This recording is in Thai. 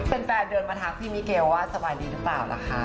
แฟนเดินมาทักพี่มิเกลว่าสบายดีหรือเปล่าล่ะคะ